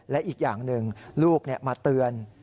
และอีกอย่างหนึ่งลูกมาเตือน